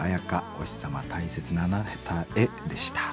「おひさま大切なあなたへ」でした。